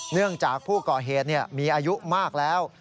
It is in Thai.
เนื่องจากผู้ก่อเหตุมีอายุมากแล้ว